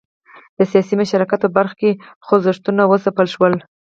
د سیاسي مشارکت په برخه کې خوځښتونه وځپل شول.